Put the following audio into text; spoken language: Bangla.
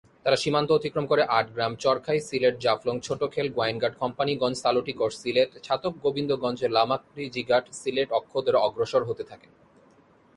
তারা সীমান্ত অতিক্রম করে আটগ্রাম-চরখাই-সিলেট, জাফলং-ছোটখেল-গোয়াইনঘাট-কোম্পানিগঞ্জ-সালুটিকর-সিলেট এবং ছাতক-গোবিন্দগঞ্জ-লামাকাজিঘাট-সিলেট অক্ষ ধরে অগ্রসর হতে থাকেন।